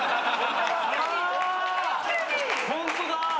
あホントだ。